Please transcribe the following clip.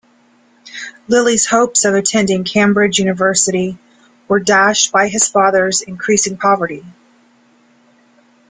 Lilly's hopes of attending Cambridge university were dashed by his father's increasing poverty.